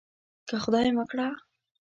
که خدای مه کړه.